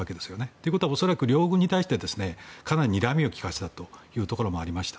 ということは恐らく両軍に関してかなりにらみを利かせたということもありました。